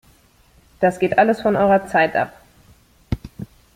Das geht alles von eurer Zeit ab!